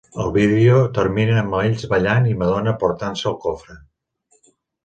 El vídeo termina amb ells ballant i Madonna portant-se el cofre.